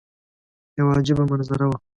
یوه عجیبه منظره وه.